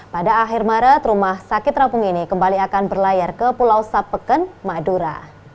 pada akhir maret rumah sakit terapung ini kembali akan berlayar ke pulau sapeken madura